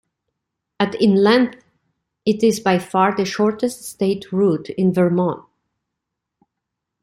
At in length, it is by far the shortest state route in Vermont.